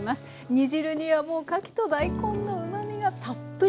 煮汁にはもうかきと大根のうまみがたっぷり。